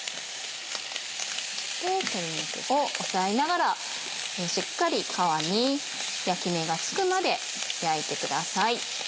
鶏肉を押さえながらしっかり皮に焼き目がつくまで焼いてください。